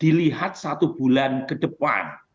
dilihat satu bulan ke depan